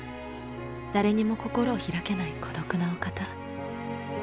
誰にも心を開けない孤独なお方。